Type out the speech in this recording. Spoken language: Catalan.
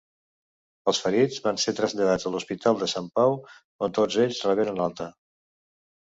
Els ferits van ser traslladats a l'Hospital de Sant Pau, on tots ells reberen l'alta.